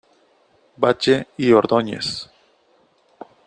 Batlle y Ordoñez..